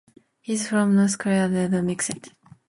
His form for North Queensland's first season was mixed.